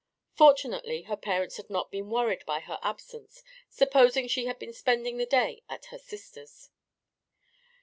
Fortunately her parents had not been worried by her absence, supposing she had been spending the day at her sister's.